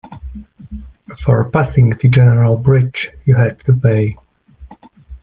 For passing the general bridge, you had to pay.